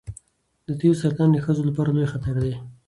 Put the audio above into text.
د تیو سرطان د ښځو لپاره لوی خطر دی.